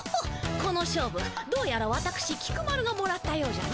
この勝負どうやらわたくし菊丸がもらったようじゃの。